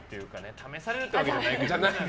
試されるってわけじゃないけど。